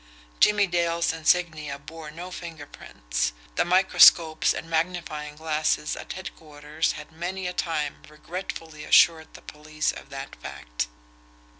Jimmie Dale's insignia bore no finger prints. The microscopes and magnifying glasses at headquarters had many a time regretfully assured the police of that fact.